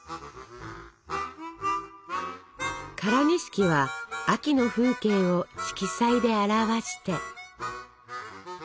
唐錦は秋の風景を色彩で表して。